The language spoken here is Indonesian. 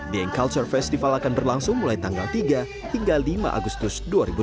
dieng culture festival akan berlangsung mulai tanggal tiga hingga lima agustus dua ribu tujuh belas